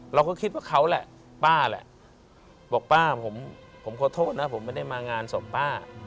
เราก็คิดว่าเขาแหละป้าแหละบอกป้าผมขอโทษนะผมไม่ได้มางานศพป้า